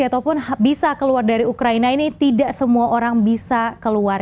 ataupun bisa keluar dari ukraina ini tidak semua orang bisa keluar